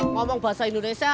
ngomong bahasa indonesia